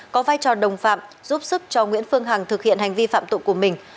có vai trò đồng phạm giúp sức cho nguyễn phương hằng thực hiện hành vi phạm tội của mình